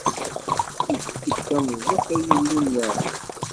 Efk-d tameẓẓuɣt, ay Illu n Yeɛqub!